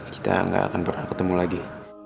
kita nggak akan pernah ketemu lagi